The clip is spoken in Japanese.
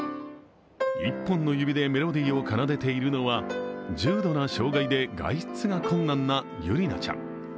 １本の指でメロディーを奏でているのは重度な障害で外出が困難なゆりなちゃん。